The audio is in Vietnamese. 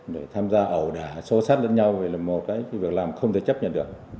để tham gia ẩu đả xô xát đánh nhau là một cái việc làm không thể chấp nhận được